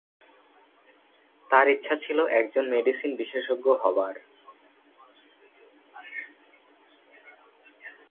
তার ইচ্ছা ছিল একজন মেডিসিন বিশেষজ্ঞ হবার।